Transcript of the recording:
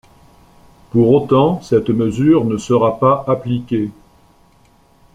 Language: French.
Pour autant cette mesure ne sera pas appliquée.